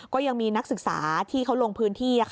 ก็ยังมีนักศึกษาที่เขาลงพื้นที่